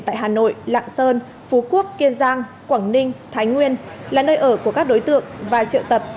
tại hà nội lạng sơn phú quốc kiên giang quảng ninh thái nguyên là nơi ở của các đối tượng và triệu tập